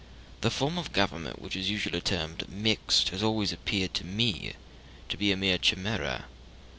The form of government which is usually termed mixed has always appeared to me to be a mere chimera.